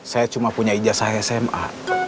saya cuma punya ijazah sma